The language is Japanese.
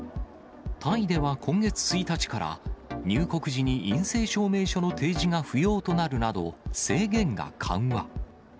タイでは今月１日から、入国時に陰性証明書の提示が不要となるなど、制限が緩和。